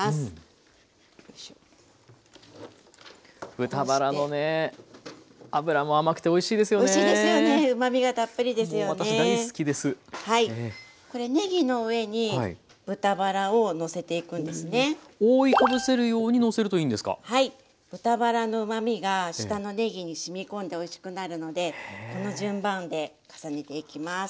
豚バラのうまみが下のねぎにしみこんでおいしくなるのでこの順番で重ねていきます。